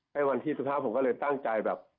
ไปวันที่สุดท้ายผมก็เลยตั้งใจแบบ